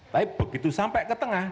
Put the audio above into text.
tapi begitu sampai ke tengah